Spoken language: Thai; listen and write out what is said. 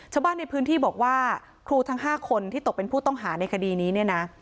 ชาวบ้านในพื้นที่บอกว่าครูทั้ง๕คนที่ตกเป็นผู้ต้องหาในคดีนี้เนี่ยนะ